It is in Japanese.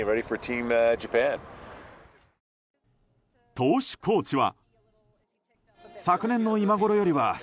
投手コーチは。